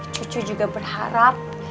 cucu juga berharap